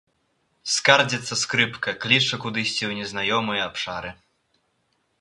Скардзіцца скрыпка, кліча кудысьці ў незнаёмыя абшары.